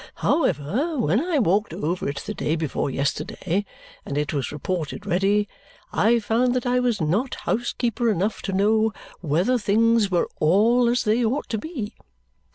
However, when I walked over it the day before yesterday and it was reported ready, I found that I was not housekeeper enough to know whether things were all as they ought to be.